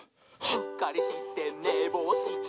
「うっかりしてねぼうして」